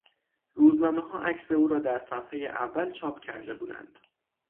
روزنامهها عکس او را در صفحهی اول چاپ کرده بودند.